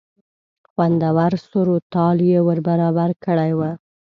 خوندور سور و تال یې ور برابر کړی و.